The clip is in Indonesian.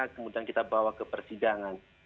kemudian kita bawa ke persidangan